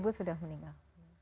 bapak ibu sudah meninggal